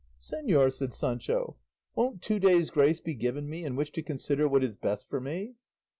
"Señor," said Sancho, "won't two days' grace be given me in which to consider what is best for me?"